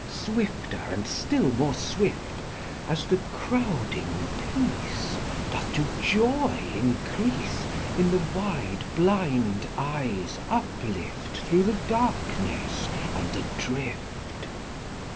Swifter and still more swift, As the crowding peace Doth to joy increase In the wide blind eyes uplift Thro' the darkness and the drift!